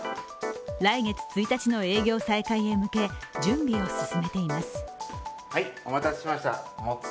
来月１日の営業再開へ向け、準備を進めています。